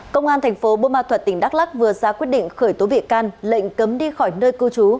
công an thành phố bô ma thuật tỉnh đắk lắc vừa ra quyết định khởi tố bị can lệnh cấm đi khỏi nơi cư trú